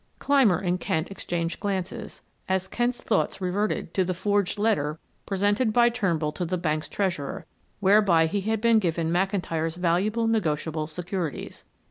Clymer and Kent exchanged glances, as Kent's thoughts reverted to the forged letter presented by Turnbull to the bank's treasurer, whereby he had been given McIntyre's valuable negotiable securities.